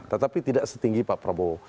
tetapi tidak setinggi pak prabowo